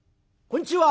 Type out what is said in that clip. こんちは！」。